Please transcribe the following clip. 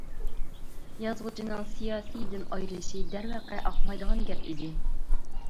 يازغۇچىنىڭ سىياسىيدىن ئايرىلىشى دەرۋەقە ئاقمايدىغان گەپ ئىدى.